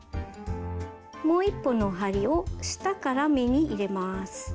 もう一本の針を下から目に入れます。